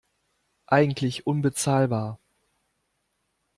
Eigentlich unbezahlbar.